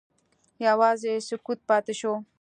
یوازې سکوت پاتې شو.